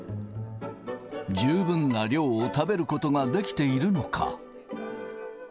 十分な量を食べることができているのか。